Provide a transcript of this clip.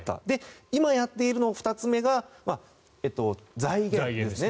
今やっている２つ目が財源ですね。